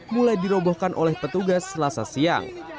mulai dirobohkan oleh petugas selasa siang